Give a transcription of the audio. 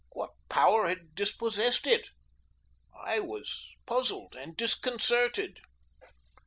What power had dispossessed it? I was puzzled and disconcerted.